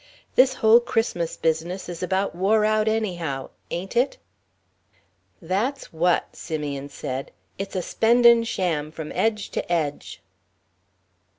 This whole Christmas business is about wore out, anyhow. Ain't it?" "That's what," Simeon said, "it's a spendin' sham, from edge to edge."